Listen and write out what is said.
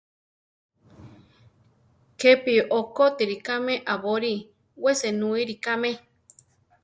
Kepi okótiri kame aborí, we senúiri kame.